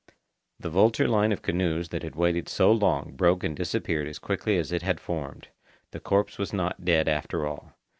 The vulture line of canoes that had waited so long broke and disappeared as quickly as it had formed. The corpse was not dead after all.